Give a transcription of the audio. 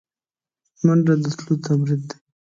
منډه د تلو تمرین دی